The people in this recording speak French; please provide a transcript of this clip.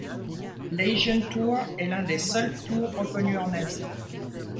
L'Asian Tour est l'un des seuls tours reconnus en Asie.